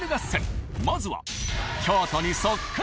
まずは。